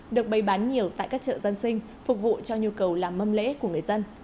được bày bán nhiều tại các chợ dân sinh phục vụ cho nhu cầu làm mâm lễ của người dân